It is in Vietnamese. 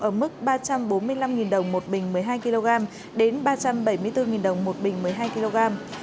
ở mức ba trăm bốn mươi năm đồng một bình một mươi hai kg đến ba trăm bảy mươi bốn đồng một bình một mươi hai kg